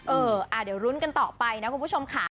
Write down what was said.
เออเดี๋ยวรุ้นกันต่อไปนะคุณผู้ชมค่ะ